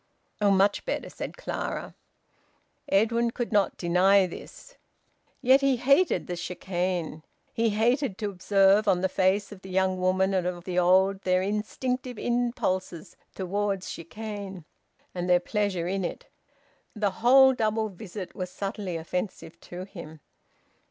"Oh! much better!" said Clara. Edwin could not deny this. Yet he hated the chicane. He hated to observe on the face of the young woman and of the old their instinctive impulses towards chicane, and their pleasure in it. The whole double visit was subtly offensive to him.